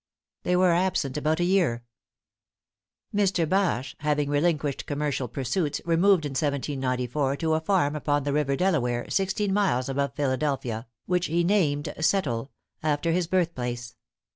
They were absent about a year. Mr. Bache, having relinquished commercial pursuits, removed in 1794 to a farm upon the river Delaware, sixteen miles above Philadelphia, which he named Settle, after his birthplace.